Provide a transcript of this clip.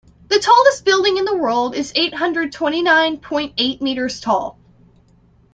The tallest building in the world is eight hundred twenty nine point eight meters tall.